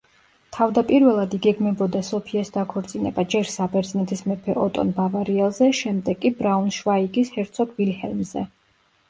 თავდაპირველად იგეგმებოდა სოფიას დაქორწინება ჯერ საბერძნეთის მეფე ოტონ ბავარიელზე, შემდეგ კი ბრაუნშვაიგის ჰერცოგ ვილჰელმზე.